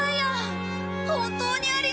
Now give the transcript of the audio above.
本当にありがとう。